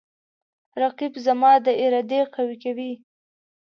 رقیب زما د ارادې قوی کوي